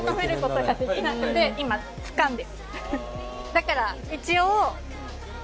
だから一応。